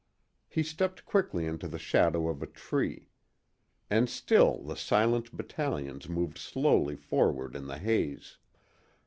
He stepped quickly into the shadow of a tree. And still the silent battalions moved slowly forward in the haze.